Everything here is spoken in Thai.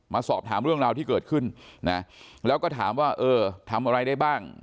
มาสอบถามเรื่องราวที่เกิดขึ้นนะแล้วก็ถามว่าเออทำอะไรได้บ้าง